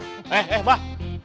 eh eh bah